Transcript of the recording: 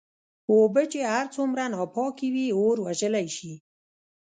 اوبه چې هرڅومره ناپاکي وي اور وژلی شې.